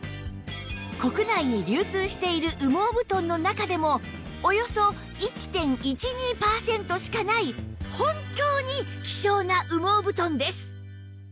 国内に流通している羽毛布団の中でもおよそ １．１２ パーセントしかない本当に希少な羽毛布団です